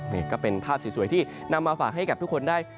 นี่ก็เป็นภาพสวยที่นำมาฝากให้กับทุกคนได้